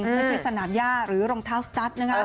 เฉพาะสนามหญ้าหรือรองเท้าสตั๊ดนะครับ